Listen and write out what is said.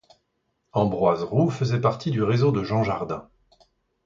Ambroise Roux faisait partie du réseau de Jean Jardin.